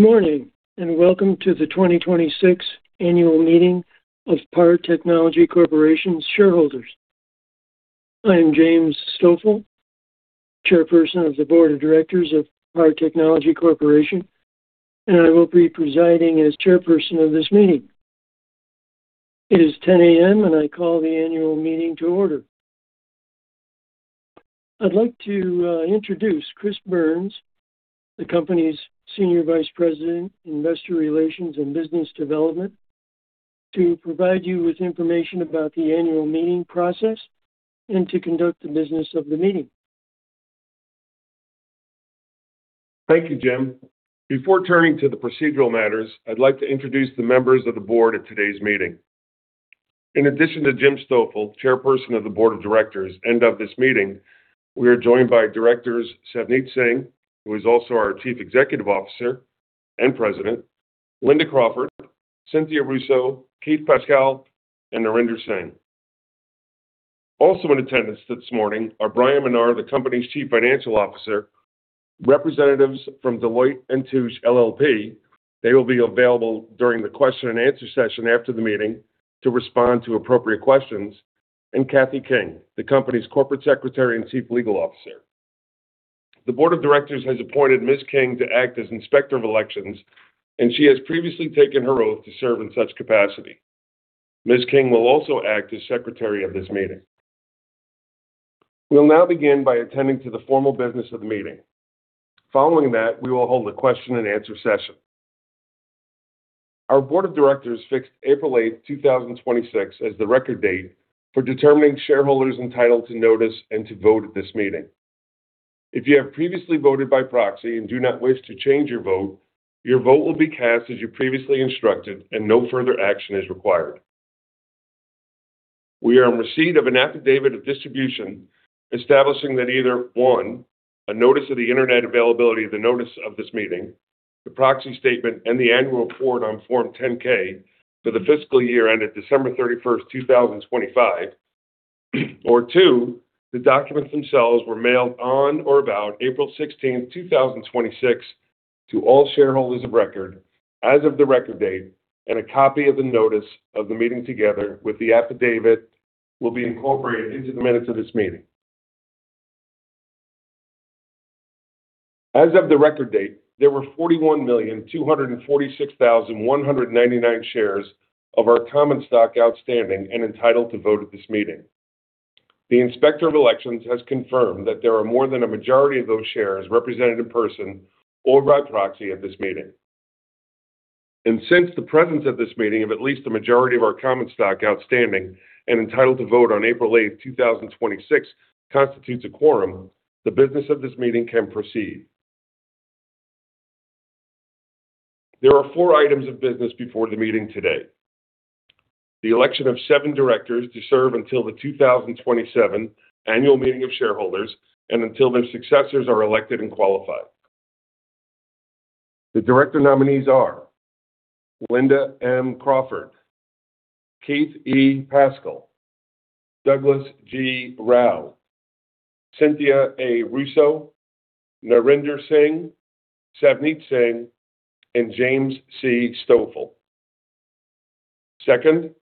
Morning, and welcome to the 2026 annual meeting of PAR Technology Corporation's shareholders. I am James Stoffel, Chairperson of the Board of Directors of PAR Technology Corporation, and I will be presiding as chairperson of this meeting. It is 10:00 A.M., and I call the annual meeting to order. I'd like to introduce Chris Byrnes, the company's Senior Vice President, Investor Relations and Business Development, to provide you with information about the annual meeting process and to conduct the business of the meeting. Thank you, James. Before turning to the procedural matters, I'd like to introduce the members of the Board at today's meeting. In addition to James Stoffel, Chairperson of the Board of Directors and of this meeting, we are joined by Directors Savneet Singh, who is also our Chief Executive Officer and President, Linda Crawford, Cynthia Russo, Keith Pascal, and Narinder Singh. Also in attendance this morning are Bryan Menar, the company's Chief Financial Officer, representatives from Deloitte & Touche LLP, they will be available during the question and answer session after the meeting to respond to appropriate questions, and Cathy King, the company's Corporate Secretary and Chief Legal Officer. The Board of Directors has appointed Ms. King to act as Inspector of Elections, and she has previously taken her oath to serve in such capacity. Ms. King will also act as Secretary of this meeting. We'll now begin by attending to the formal business of the meeting. Following that, we will hold a question and answer session. Our board of directors fixed April 8, 2026 as the record date for determining shareholders entitled to notice and to vote at this meeting. If you have previously voted by proxy and do not wish to change your vote, your vote will be cast as you previously instructed and no further action is required. We are in receipt of an affidavit of distribution establishing that either, one, a notice of the internet availability of the notice of this meeting, the proxy statement, and the annual report on Form 10-K for the fiscal year ended December 31st, 2025, or two, the documents themselves were mailed on or about April 16th, 2026 to all shareholders of record as of the record date, and a copy of the notice of the meeting together with the affidavit will be incorporated into the minutes of this meeting. As of the record date, there were 41,246,199 shares of our common stock outstanding and entitled to vote at this meeting. The Inspector of Elections has confirmed that there are more than a majority of those shares represented in person or by proxy at this meeting. Since the presence at this meeting of at least a majority of our common stock outstanding and entitled to vote on April 8th, 2026 constitutes a quorum, the business of this meeting can proceed. There are four items of business before the meeting today. The election of seven directors to serve until the 2027 annual meeting of shareholders and until their successors are elected and qualified. The director nominees are Linda M. Crawford, Keith E. Pascal, Douglas G. Rauch, Cynthia A. Russo, Narinder Singh, Savneet Singh, and James C. Stoffel. Second,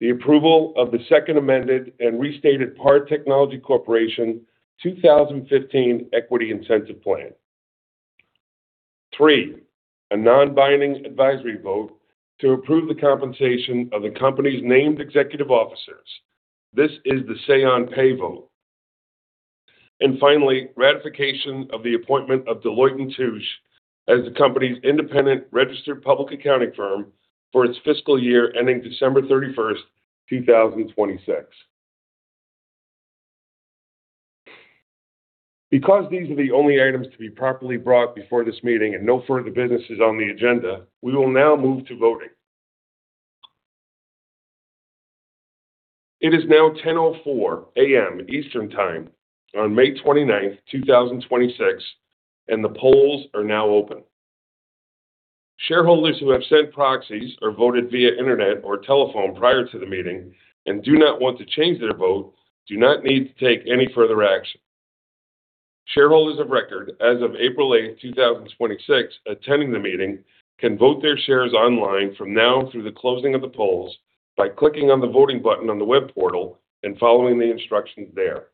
the approval of the Second Amended and Restated PAR Technology Corporation 2015 Equity Incentive Plan. Three, a non-binding advisory vote to approve the compensation of the company's named executive officers. This is the say on pay vote. Finally, ratification of the appointment of Deloitte & Touche as the company's independent registered public accounting firm for its fiscal year ending December 31st, 2026. Because these are the only items to be properly brought before this meeting and no further business is on the agenda, we will now move to voting. It is now 10:04 A.M. Eastern Time on May 29th, 2026, and the polls are now open. Shareholders who have sent proxies or voted via internet or telephone prior to the meeting and do not want to change their vote do not need to take any further action. Shareholders of record as of April 8th, 2026, attending the meeting can vote their shares online from now through the closing of the polls by clicking on the voting button on the web portal and following the instructions there.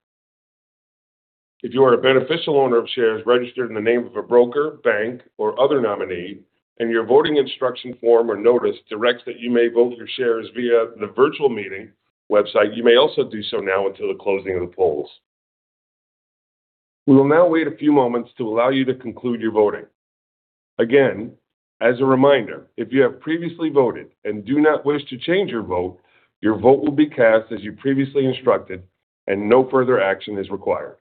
If you are a beneficial owner of shares registered in the name of a broker, bank, or other nominee and your voting instruction form or notice directs that you may vote your shares via the virtual meeting website, you may also do so now until the closing of the polls. We will now wait a few moments to allow you to conclude your voting. As a reminder, if you have previously voted and do not wish to change your vote, your vote will be cast as you previously instructed and no further action is required.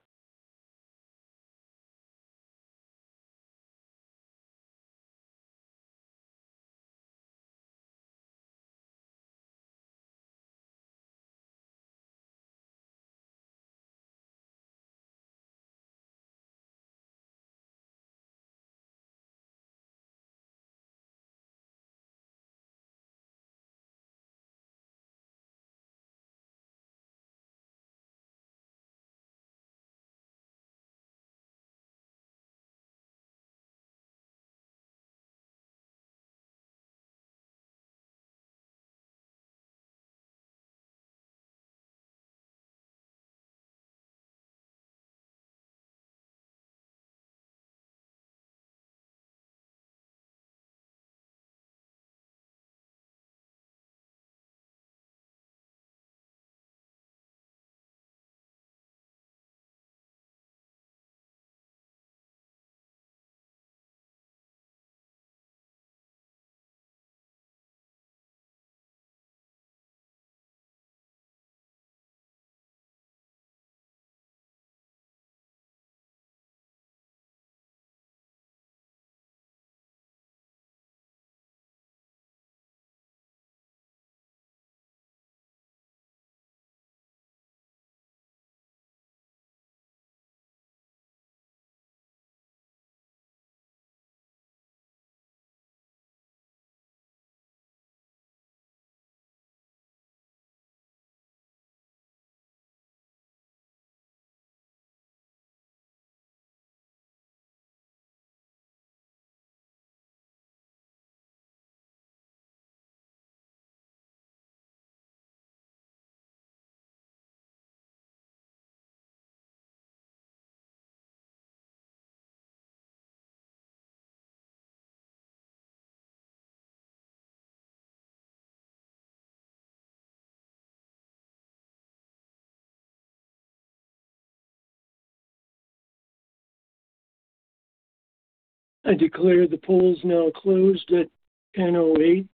I declare the polls now closed at 10:08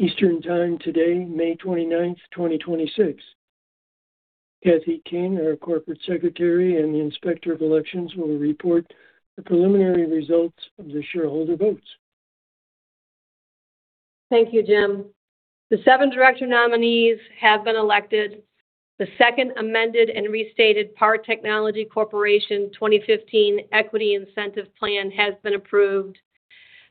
Eastern Time today, May 29th, 2026. Cathy King, our Corporate Secretary and the Inspector of Elections, will report the preliminary results of the shareholder votes. Thank you, James. The seven director nominees have been elected. The Second Amended and Restated PAR Technology Corporation 2015 Equity Incentive Plan has been approved.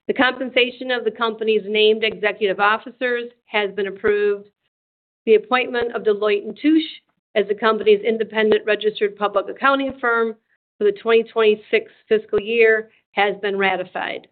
The compensation of the company's named executive officers has been approved. The appointment of Deloitte & Touche as the company's independent registered public accounting firm for the 2026 fiscal year has been ratified.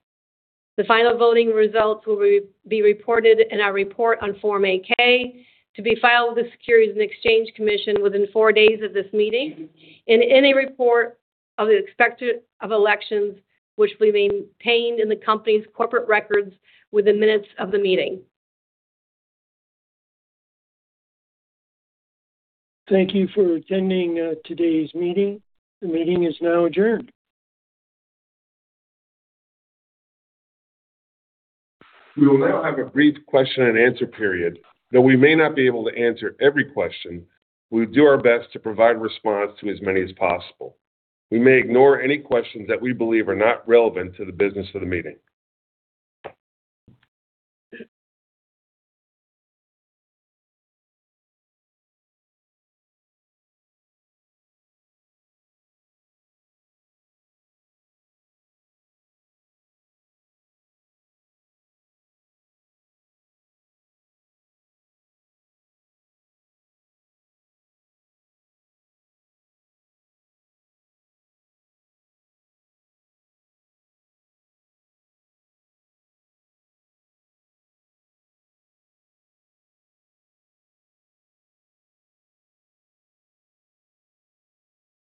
The final voting results will be reported in our report on Form 8-K, to be filed with the Securities and Exchange Commission within four days of this meeting, and any report of the inspector of elections which will be contained in the company's corporate records with the minutes of the meeting. Thank you for attending today's meeting. The meeting is now adjourned. We will now have a brief question and answer period. Though we may not be able to answer every question, we will do our best to provide a response to as many as possible. We may ignore any questions that we believe are not relevant to the business of the meeting.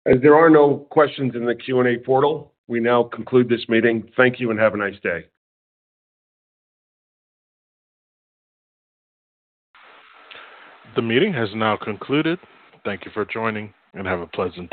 As there are no questions in the Q&A portal, we now conclude this meeting. Thank you and have a nice day. The meeting has now concluded. Thank you for joining, and have a pleasant day.